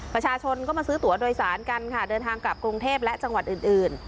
ประชาชนก็มาซื้อตัวโดยสารกันค่ะเดินทางกลับกรุงเทพและจังหวัดอื่น